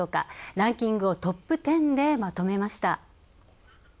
ランキングをトップ１０でまとめました。